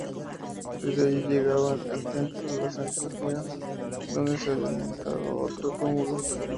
Desde allí llegaban al templo de las Angustias donde se había montado otro túmulo.